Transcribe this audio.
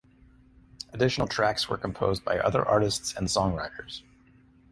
Additional tracks were composed by other artists and songwriters.